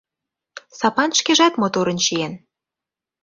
Сапан шкежат моторын чиен.